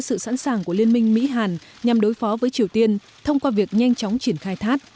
sự sẵn sàng của liên minh mỹ hàn nhằm đối phó với triều tiên thông qua việc nhanh chóng triển khai thác